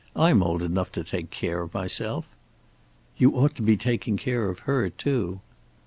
"I'm old enough to take care of myself." "You ought to be taking care of her, too."